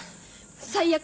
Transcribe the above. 最悪。